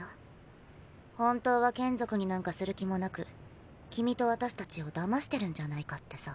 本当は眷属になんかする気もなく君と私たちをだましてるんじゃないかってさ。